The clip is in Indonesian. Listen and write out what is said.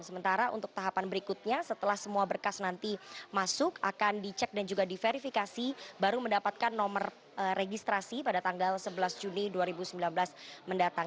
sementara untuk tahapan berikutnya setelah semua berkas nanti masuk akan dicek dan juga diverifikasi baru mendapatkan nomor registrasi pada tanggal sebelas juni dua ribu sembilan belas mendatang